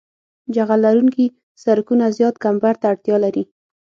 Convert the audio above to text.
جغل لرونکي سرکونه زیات کمبر ته اړتیا لري